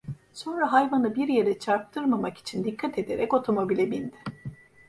Sonra hayvanı bir yere çarptırmamak için dikkat ederek otomobile bindi.